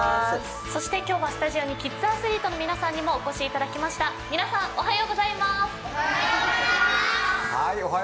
そして今日はスタジオにキッズアスリートの皆さんにもお越しいただきました皆さんおはようございますおはようございます！